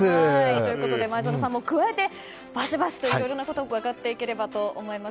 前園さんも加えてバシバシといろいろなことを伺っていければと思います。